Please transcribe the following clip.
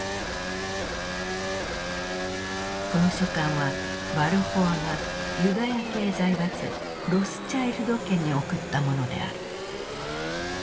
この書簡はバルフォアがユダヤ系財閥ロスチャイルド家に送ったものである。